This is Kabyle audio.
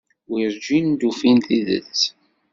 Werǧin d-ufin tidet.